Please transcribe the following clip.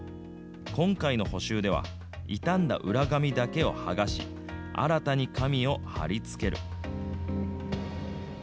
今回の補修では、傷んだ裏紙だけを剥がし、新たに紙を貼り付ける。